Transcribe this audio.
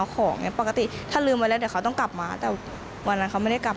ก็จะเรียนให้จบเพื่อเขาครับ